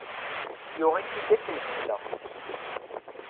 Yuɣ-itt-id akken tefla.